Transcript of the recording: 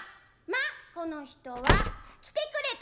『まあこの人は来てくれたんか』」。